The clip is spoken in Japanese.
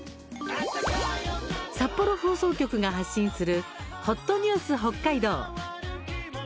札幌放送局が発信する「ほっとニュース北海道」。